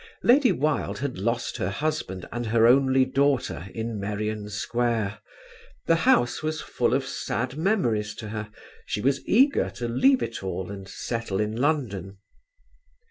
Lady Wilde had lost her husband and her only daughter in Merrion Square: the house was full of sad memories to her, she was eager to leave it all and settle in London.